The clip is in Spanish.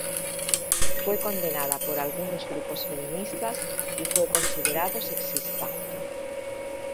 Fue condenada por algunos grupos feministas y fue considerado sexista.